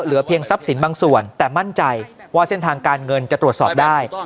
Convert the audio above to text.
เพียงทรัพย์สินบางส่วนแต่มั่นใจว่าเส้นทางการเงินจะตรวจสอบได้